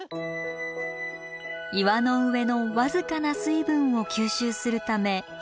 岩の上の僅かな水分を吸収するため広がった根。